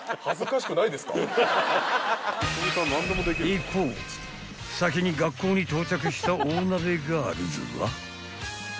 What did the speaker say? ［一方先に学校に到着した大鍋ガールズは］